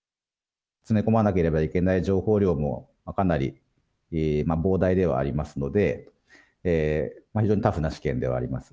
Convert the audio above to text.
詰め込まなければいけない情報量もかなり膨大ではありますので、非常にタフな試験ではあります。